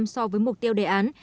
so với mục tiêu đề án